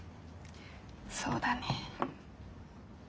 そうだね。